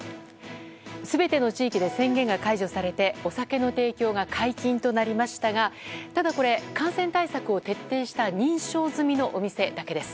全ての地域で宣言が解除されてお酒の提供が解禁となりましたがただこれ、感染対策を徹底した認証済みのお店だけです。